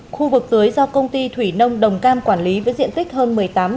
khu vực tưới do công ty thủy nông đồng cam quản lý với diện tích hơn một mươi tám